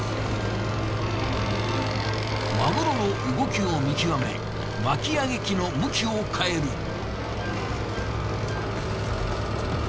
マグロの動きを見極め巻き上げ機の向きを変える。